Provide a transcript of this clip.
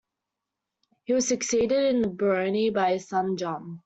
He was succeeded in the barony by his son John.